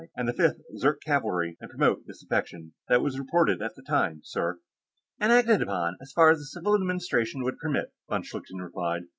and the Fifth Zirk Cavalry and promote disaffection. That was reported at the time, sir." "And acted upon, as far as the civil administration would permit," von Schlichten replied.